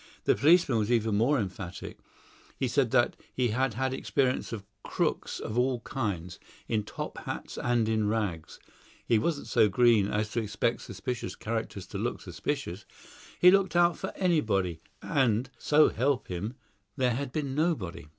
The policeman was even more emphatic. He said he had had experience of crooks of all kinds, in top hats and in rags; he wasn't so green as to expect suspicious characters to look suspicious; he looked out for anybody, and, so help him, there had been nobody.